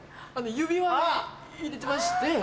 指輪を入れてまして。